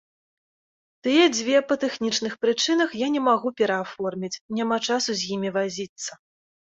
Тыя дзве па тэхнічных прычынах я не магу перааформіць, няма часу з імі вазіцца.